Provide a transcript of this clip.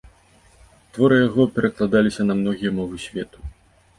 Творы яго перакладаліся на многія мовы свету.